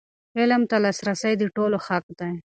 علم ته لاسرسی د ټولو حق دی.